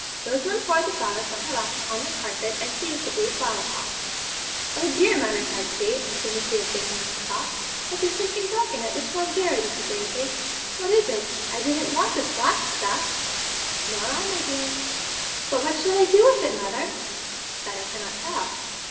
Rosamond poured the flowers from her lap upon the carpet, and seized the blue flower pot. 'Oh, dear mother,' cried she, as soon as she had taken off the top, 'but there's something dark in it which smells very disagreeably. What is it? I didn't want this black stuff.' 'Nor I, my dear.' 'But what shall I do with it, mother?' 'That I cannot tell.'